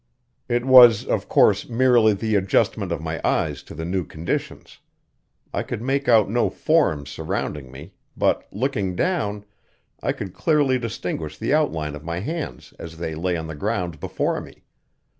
It was, of course, merely the adjustment of my eyes to the new conditions. I could make out no forms surrounding me, but, looking down, I could clearly distinguish the outline of my hands as they lay on the ground before me.